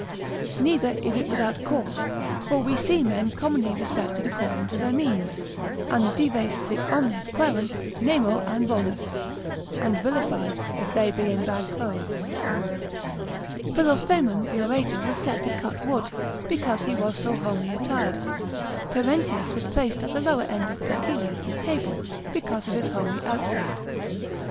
Neither is it without cause, for we see men commonly respected according to their means, (an dives sit omnes quaerunt, nemo an bonus) and vilified if they be in bad clothes. Philophaemen the orator was set to cut wood, because he was so homely attired, Terentius was placed at the lower end of Cecilius' table, because of his homely outside.